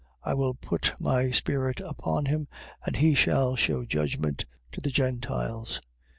I will put my spirit upon him, and he shall shew judgment to the Gentiles.